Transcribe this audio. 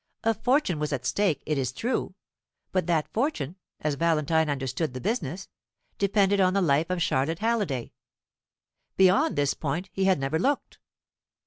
A fortune was at stake, it is true; but that fortune, as Valentine understood the business, depended on the life of Charlotte Halliday. Beyond this point he had never looked.